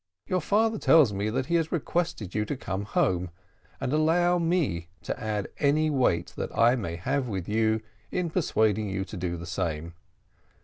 Your father tells me that he has requested you to come home, and allow me to add any weight I may have with you in persuading you to do the same.